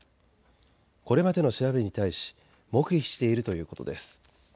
これまでの調べに対し黙秘しているということです。